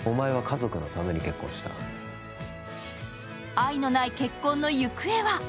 愛のない結婚の行方は？